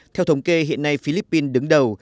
theo thống kê hiện nay philippines đứng đầu